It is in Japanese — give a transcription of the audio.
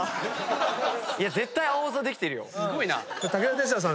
絶対青あざできてるよ。